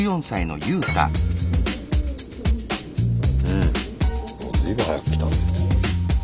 うん随分早く来たね。